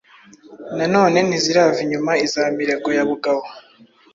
Na none ntizirava inyuma Iza Mirego ya Bugabo.